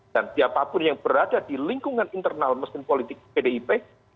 dan siapapun yang berada di lingkungan internal meskipun politik pdip